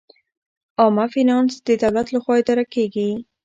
عامه فینانس د دولت لخوا اداره کیږي.